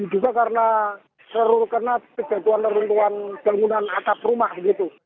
duga karena seru kena kegiatuan kegiatuan bangunan atap rumah begitu